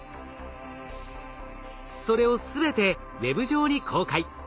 それを全てＷＥＢ上に公開。